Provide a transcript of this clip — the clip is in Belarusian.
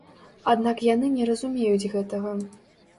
Аднак яны не разумеюць гэтага.